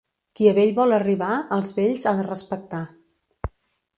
Qui a vell vol arribar, els vells ha de respectar.